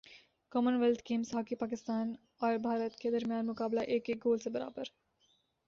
common wealth games hockey Pakistan اور بھارت کے درمیان مقابلہ ایک ایک گول سے برابر